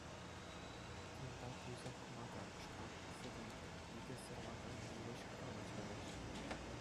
Кӳнта пысӑк кӑмака, шкап, сӗтел, икӗ сарлака йывӑҫ кравать лараҫҫӗ.